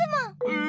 え！